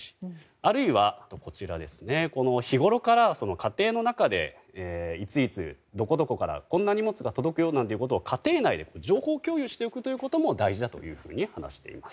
あるいは、日ごろから家庭の中でいついつ、どこどこからこんな荷物が届くよということを家庭内で情報共有しておくことも大事だと話しています。